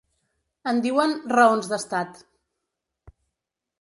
En diuen “Raons d’Estat”.